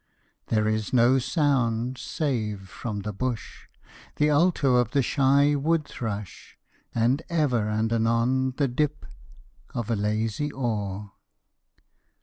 There is no sound save from the bush The alto of the shy wood thrush, And ever and anon the dip Of a lazy oar.